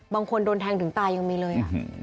บางคนโดนแทงถึงตายยังมีเลย